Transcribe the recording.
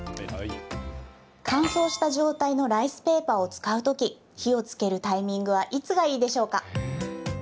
乾燥した状態のライスペーパーを使う時火をつけるタイミングはいつがいいでしょうか。